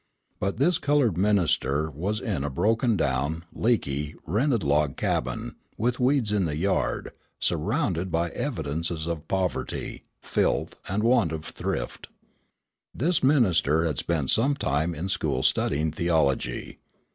But this coloured minister was in a broken down, leaky, rented log cabin, with weeds in the yard, surrounded by evidences of poverty, filth, and want of thrift. This minister had spent some time in school studying theology.